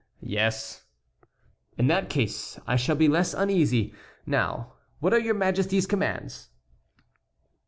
"Yes." "In that case I shall be less uneasy. Now what are your Majesty's commands?"